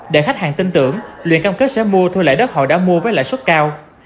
để khách hàng tin tưởng luyện cam kết sẽ mua thu lợi đất họ đã mua với lãi suất cao